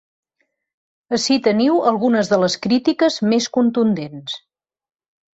Ací teniu algunes de les crítiques més contundents.